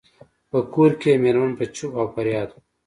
په کور کې یې میرمن په چیغو او فریاد وه.